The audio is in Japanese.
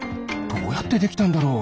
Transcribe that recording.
どうやってできたんだろう？